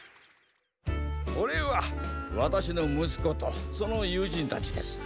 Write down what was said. これはわたしのむすことそのゆうじんたちです。